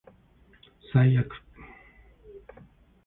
最悪